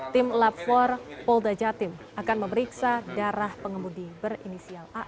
tim lab empat polda jatim akan memeriksa darah pengemudi berinisial a